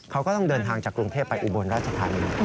เขาก็ต้องเดินทางจากกรุงเทพไปอุบลราชธานี